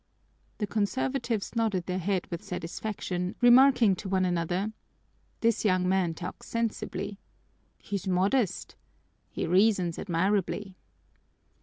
The conservatives nodded their heads with satisfaction, remarking to one another: "This young man talks sensibly." "He's modest." "He reasons admirably."